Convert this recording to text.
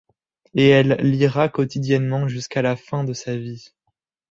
Et elle lira quotidiennement jusqu'à la fin de sa vie.